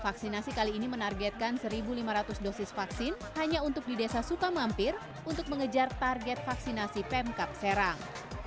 vaksinasi kali ini menargetkan satu lima ratus dosis vaksin hanya untuk di desa sukamampir untuk mengejar target vaksinasi pemkap serang